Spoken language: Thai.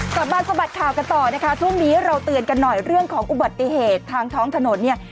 กลับมาสะบัดข่าวกันต่อนะคะช่วงนี้เราเตือนกันหน่อยเรื่องของอุบัติเหตุทางท้องถนนเนี่ย